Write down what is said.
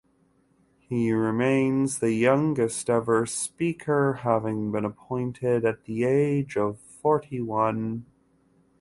He remains the youngest ever Speaker, having been appointed at the age of forty-one.